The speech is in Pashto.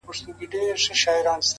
نن هغه سالار د بل په پښو كي پروت دئ!.